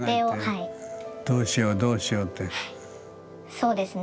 そうですね。